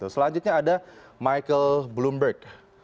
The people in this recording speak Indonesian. selanjutnya ada michael bloomberg